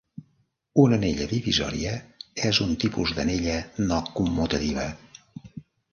Una anella divisòria és un tipus d'anella no-commutativa.